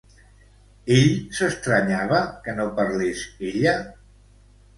Ell s'estranyava que no parlés, ella?